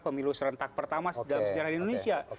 pemilu serentak pertama dalam sejarah di indonesia